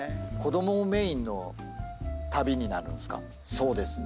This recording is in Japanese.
そうですね。